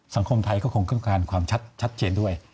สังคมไทยก็คงต้องการความชัดเจนด้วย